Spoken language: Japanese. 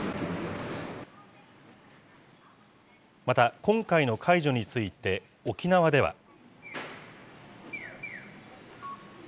また、今回の解除について、沖縄では。